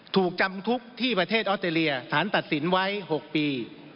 ถูกจำคุกที่ประเทศออสเตรเลียฐานตัดสินไว้๖ปี